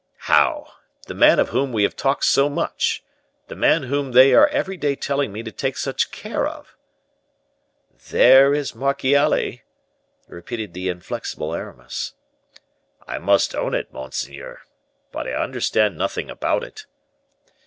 "How? the man of whom we have talked so much? The man whom they are every day telling me to take such care of?" "There is 'Marchiali,'" repeated the inflexible Aramis. "I must own it, monseigneur. But I understand nothing about it."